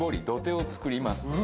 土手を作ります。